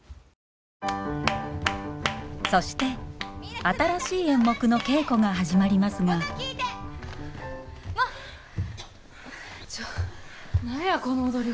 そして新しい演目の稽古が始まりますがちょ何やこの踊りは。